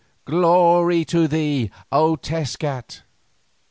Glory to thee, O Tezcat!"